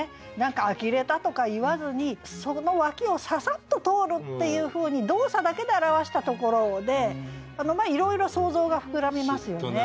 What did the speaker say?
「あきれた」とか言わずにその脇を「ささっと通る」っていうふうに動作だけで表したところでいろいろ想像が膨らみますよね。